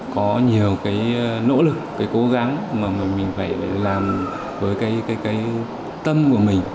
có nhiều cái nỗ lực cái cố gắng mà mình phải làm với cái tâm của mình